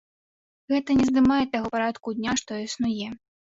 Гэта не здымае таго парадку дня, што існуе.